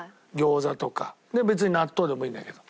別に納豆でもいいんだけど。